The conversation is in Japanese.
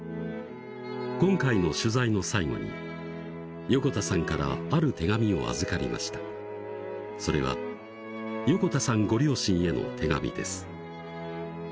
今回の取材の最後に横田さんからある手紙を預かりましたそれは横田さんご両親への手紙です